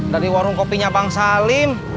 dari warung kopinya bang salim